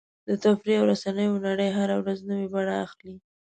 د تفریح او رسنیو نړۍ هره ورځ نوې بڼه اخلي.